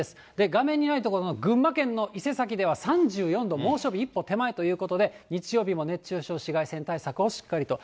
画面にない所の群馬県の伊勢崎では３４度、猛暑日一歩手前ということで、日曜日も熱中症、紫外線対策をしっかりと。